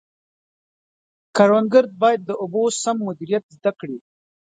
کروندګر باید د اوبو سم مدیریت زده کړي.